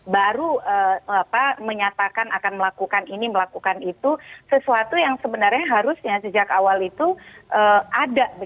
baru menyatakan akan melakukan ini melakukan itu sesuatu yang sebenarnya harusnya sejak awal itu ada